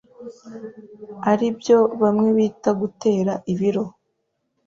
ari byo bamwe bita gutera ibiro.